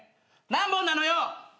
何本なのよ！